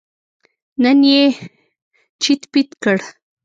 نن یې چیت پیت کړ.